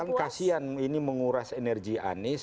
kalau kasian ini menguras energi anies